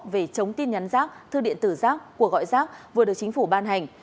về chống tin nhắn giác thư điện tử giác của gọi giác vừa được chính phủ ban hành